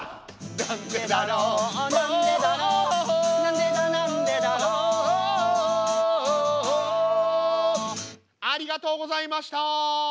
なんでだろうなんでだろうなんでだなんでだろうありがとうございました。